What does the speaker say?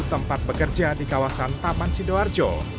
tempat bekerja di kawasan taman sidoarjo